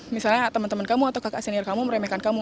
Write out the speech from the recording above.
misalnya teman teman kamu atau kakak senior kamu meremehkan kamu